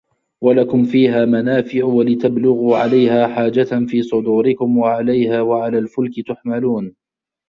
وَلَكُم فيها مَنافِعُ وَلِتَبلُغوا عَلَيها حاجَةً في صُدورِكُم وَعَلَيها وَعَلَى الفُلكِ تُحمَلونَ